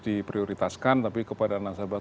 diprioritaskan tapi kepada nasabah